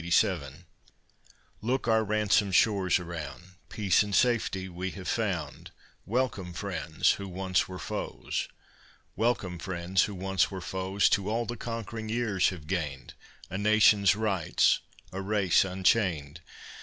Look our ransomed shores around, Peace and safety we have found! Welcome, friends who once were foes! Welcome, friends who once were foes, To all the conquering years have gained, A nation's rights, a race unchained!